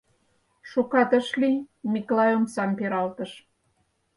Шукат ыш лий, Миклай омсам пералтыш.